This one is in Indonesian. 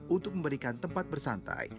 untuk memberikan tempat bersantai